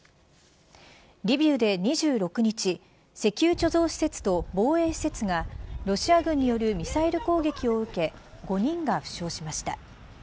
リビウで２６日石油貯蔵施設と防衛施設がロシア軍によるミサイル攻撃を受け５人が負傷しました。